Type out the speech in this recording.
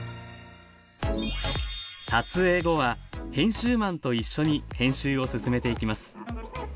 撮影後は編集マンと一緒に編集を進めていきます。